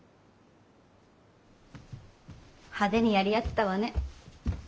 派手にやり合ってたわね。